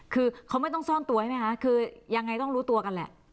คือเขาไม่ต้องซ่อนตัวใช่ไหมคะคือยังไงต้องรู้ตัวกันแหละ